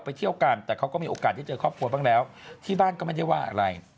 เที่ยวกันแต่เขาก็มีโอกาสได้เจอครอบครัวบ้างแล้วที่บ้านก็ไม่ได้ว่าอะไร